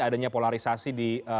adanya polarisasi di